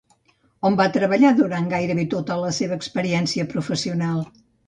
On va treballar durant gairebé tota la seva experiència professional?